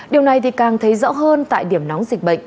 điều này thì càng thấy rõ hơn tại điểm nóng dịch bệnh